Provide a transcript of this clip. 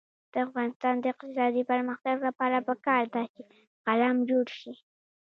د افغانستان د اقتصادي پرمختګ لپاره پکار ده چې قلم جوړ شي.